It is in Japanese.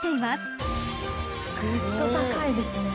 ・ぐっと高いですね。